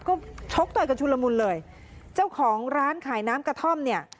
ก็ชกต่อยกันชุลมุนเลยเจ้าของร้านขายน้ำกระท่อมเนี่ย